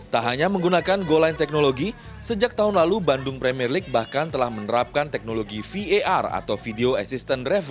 tak hanya menggunakan goal line technology sejak tahun lalu bandung premier league bahkan telah menerapkan teknologi var atau video assistant review